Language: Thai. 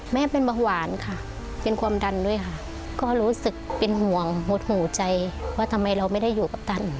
แม่เป็นเบาหวานค่ะเป็นความดันด้วยค่ะก็รู้สึกเป็นห่วงหมดหัวใจว่าทำไมเราไม่ได้อยู่กับตัน